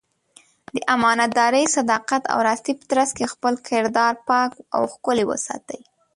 د امانتدارۍ، صداقت او راستۍ په ترڅ کې خپل کردار پاک او ښکلی وساتي.